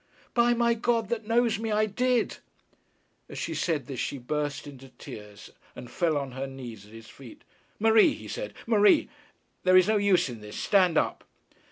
'By my God, that knows me, I did!' As she said this she burst into tears and fell on her knees at his feet. 'Marie,' he said, 'Marie; there is no use in this. Stand up.'